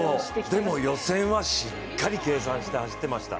でも予選はしっかり計算して走っていました。